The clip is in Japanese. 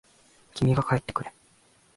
君が帰ってくれ。